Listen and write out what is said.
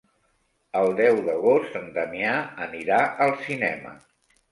El deu d'agost en Damià anirà al cinema.